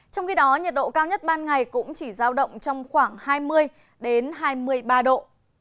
trong khi đó nhiệt độ cao nhất ban ngày cũng chỉ giao động trong khoảng hai mươi hai mươi ba độ